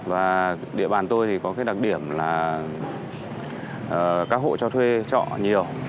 và địa bàn tôi thì có cái đặc điểm là các hộ cho thuê trọ nhiều